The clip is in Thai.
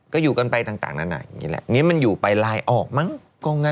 ก็อยู่กันไปต่างนานาอย่างนี้แหละนี่มันอยู่ไปลายออกมั้ง